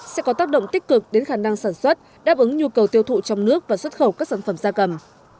sẽ có tác động tích cực đến khả năng sản xuất đáp ứng nhu cầu tiêu thụ trong nước và xuất khẩu các sản phẩm da cầm